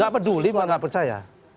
gak peduli emang gak percaya